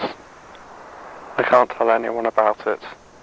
I can't tell anyone about it.